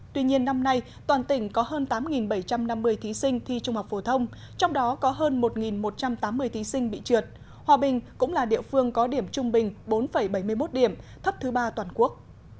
tuy nhiên năm nay toàn tỉnh có hơn tám bảy trăm năm mươi thí sinh thi trung học phổ thông trong đó có hơn một một trăm tám mươi thí sinh bị trượt hòa bình cũng là địa phương có điểm trung bình bốn bảy mươi một điểm thấp thứ ba toàn quốc